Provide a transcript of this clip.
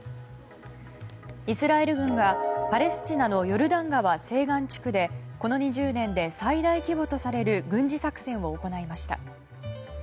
イスラエル軍がパレスチナのヨルダン川西岸地区でこの２０年で最大規模とされる軍事作戦を行いました。